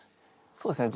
そうですね